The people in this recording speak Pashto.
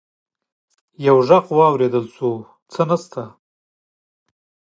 يو غږ واورېدل شو: څه نشته!